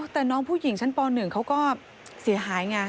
แต่น้องผู้หญิงชั้นป๑เขาก็เสียหายไง